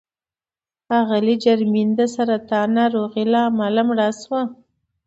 اغلې جرمین د سرطان ناروغۍ له امله مړه شوه.